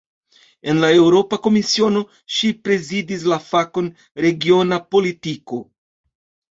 En la Eŭropa Komisiono ŝi prezidis la fakon "regiona politiko".